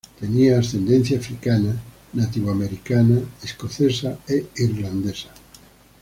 Tenía ascendencia africana, nativo americana, escocesa e irlandesa.